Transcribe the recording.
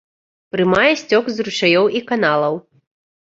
Прымае сцёк з ручаёў і каналаў.